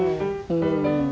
うん。